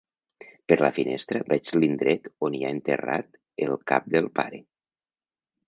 Per la finestra veig l'indret on hi ha enterrat el cap del pare.